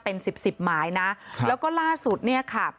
เป็น๑๐ไม้นะแล้วก็ล่าสุดเนี่ยค่ะ